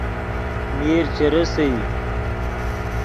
میر چے ریسئی